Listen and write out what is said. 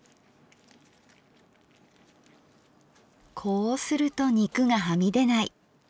こうすると肉がはみ出ない。